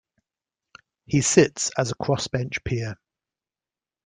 He sits as a crossbench peer.